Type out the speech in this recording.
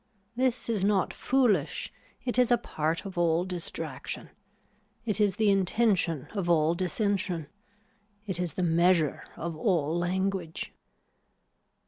This is not foolish, it is a part of all distraction. It is the intention of all dissension. It is the measure of all language.